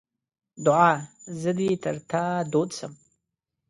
دوعا: زه دې تر تا دود سم.